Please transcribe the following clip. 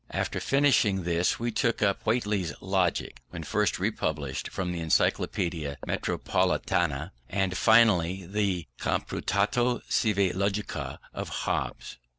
After finishing this, we took up Whately's Logic, then first republished from the Encyclopedia Metropolitana, and finally the Computatio sive Logica of Hobbes.